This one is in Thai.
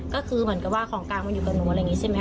ก็คือเหมือนกับว่าของกลางมันอยู่กับหนูอะไรอย่างนี้ใช่ไหมค